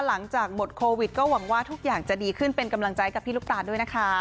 หลังจากหมดโควิดก็หวังว่าทุกอย่างจะดีขึ้นเป็นกำลังใจกับพี่ลูกตาด้วยนะคะ